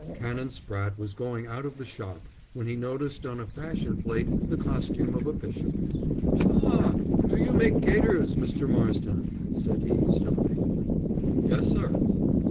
Canon Spratte was going out of the shop when he noticed on a fashion plate the costume of a bishop. "Ah, do you make gaiters, Mr. Marsden?" said he, stopping. "Yes, sir."